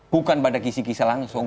bukan pada kisi kisah langsung